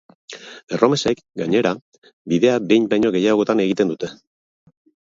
Erromesek, gainera, bidea behin baino gehiagotan egiten dute.